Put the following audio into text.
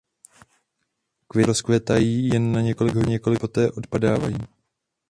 Květy často rozkvétají jen na několik hodin a poté opadávají.